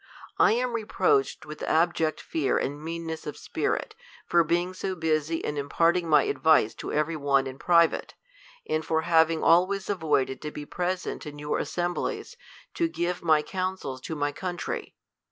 1 am reproached with abject fear and meanness of spirit, for being so busy in im*, parting my advice to every one in private, and fo^ having always avoided to be present in your assemblie^f to give my counsels to my country.